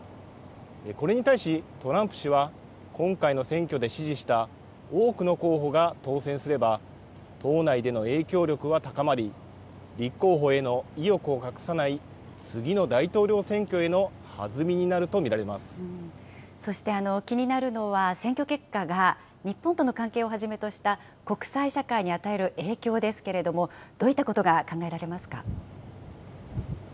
これに対し、トランプ氏は今回の選挙で支持した多くの候補が当選すれば、党内での影響力は高まり、立候補への意欲を隠さない次の大統領選挙への弾みになると見られそして気になるのは、選挙結果が日本との関係をはじめとした国際社会に与える影響ですけれども、どういったことが考えられますか。